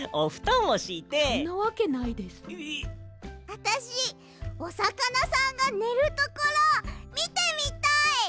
あたしおさかなさんがねるところみてみたい。